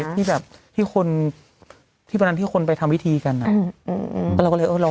ที่แบบที่คนที่คนไปทำวิธีกันอ่ะ